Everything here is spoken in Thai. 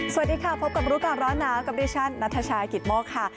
สวัสดีค่ะพบกับร้อนน้ำกับดิฉันณชายกิตโมกค่ะ